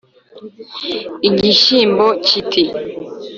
Igishyimbo kiti: